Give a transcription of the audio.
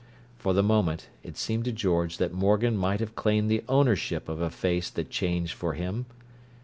For the moment, it seemed to George that Morgan might have claimed the ownership of a face that changed for him.